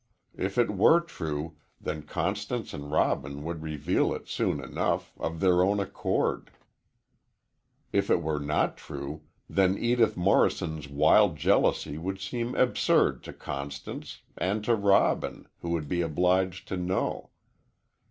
If it were true, then Constance and Robin would reveal it soon enough, of their own accord. If it were not true, then Edith Morrison's wild jealousy would seem absurd to Constance, and to Robin, who would be obliged to know.